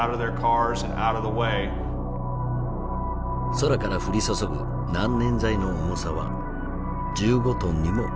空から降り注ぐ難燃剤の重さは１５トンにも及ぶ。